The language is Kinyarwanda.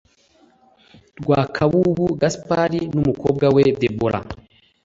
Rwakabubu Gaspard n umukobwa we Debora